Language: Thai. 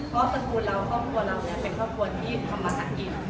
ก็ตระกูลเราครอบครัวเราเนี่ยเป็นครอบครัวที่ทำมาสะกิด